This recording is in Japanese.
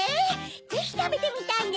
ぜひたべてみたいネ。